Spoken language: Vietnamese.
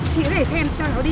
thì chị có thể cho em cho nó đi